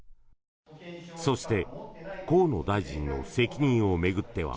そして河野大臣の責任を巡っては